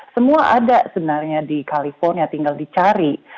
semua ada sebenarnya di california tinggal dicari